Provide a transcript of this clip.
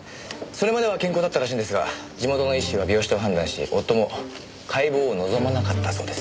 それまでは健康だったらしいんですが地元の医師は病死と判断し夫も解剖を望まなかったそうです。